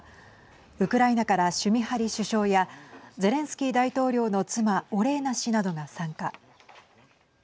ウクライナからシュミハリ首相やゼレンスキー大統領の妻オレーナ氏などが参加。